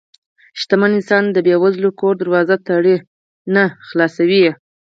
شتمن انسان د بې وزله کور دروازه تړي نه، خلاصوي یې.